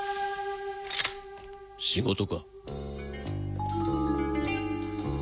仕事か？